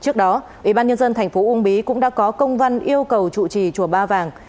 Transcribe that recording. ở đó ủy ban nhân dân tp ung bí cũng đã có công văn yêu cầu trụ trì chùa ba vàng